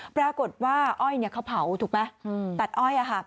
ปรากฏว่าอ้อยเขาเผาถูกไหมตัดอ้อย